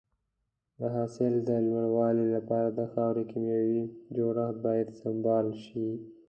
د حاصل د لوړوالي لپاره د خاورې کيمیاوي جوړښت باید سمبال شي.